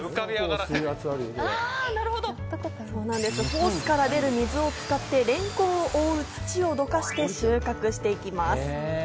ホースから出る水を使って、れんこんを覆う土をどかして収穫していきます。